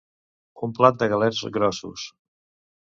Un plat de galets grossos.